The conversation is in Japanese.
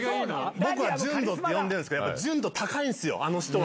僕は純度って呼んでするんですけど、純度高いんですよ、あの人は。